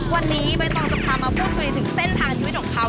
วันนี้ใบตองจะพามาพูดคุยถึงเส้นทางชีวิตของเขา